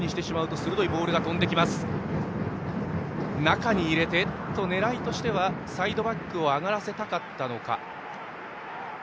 今のボール、狙いとしてはサイドバックを上がらせたかったのか。